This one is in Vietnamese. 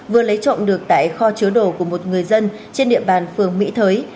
vừa lấy trộm được tại kho chứa đồ của một người dân trên địa bàn phường mỹ thới